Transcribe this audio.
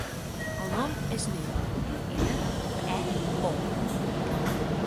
El nom és Neo: ena, e, o.